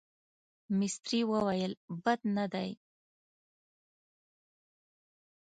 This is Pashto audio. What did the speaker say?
مستري وویل بد نه دي.